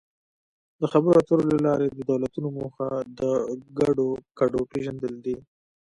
د خبرو اترو له لارې د دولتونو موخه د ګډو ګټو پېژندل دي